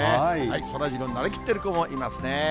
そらジローになりきっている子もいますね。